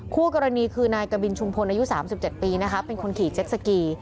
คู่กรณีคือนายกบินชุมพลอายุ๓๗ปีนะคะเป็นคนขี่เจ็ดสกี